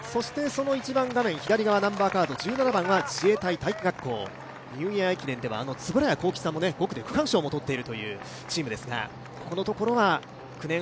画面左側は１７番、自衛隊体育学校ニューイヤー駅伝では円谷幸吉さんも５区で区間賞も取っているというチームですから。